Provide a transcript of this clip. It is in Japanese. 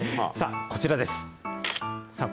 こちらです。